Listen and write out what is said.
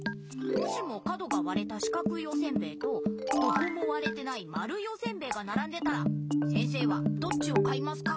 もしも角がわれたしかくいおせんべいとどこもわれてないまるいおせんべいがならんでたら先生はどっちを買いますか？